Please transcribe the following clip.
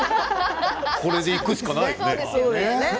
これでいくしかないよね。